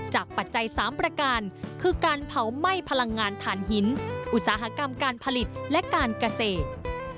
ปัจจัย๓ประการคือการเผาไหม้พลังงานฐานหินอุตสาหกรรมการผลิตและการเกษตร